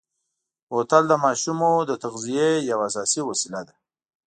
بوتل د ماشومو د تغذیې یوه اساسي وسیله ده.